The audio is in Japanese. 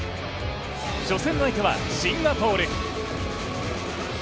初戦の相手はシンガポール。